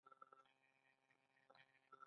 د بادامو باغونه ښه عاید لري؟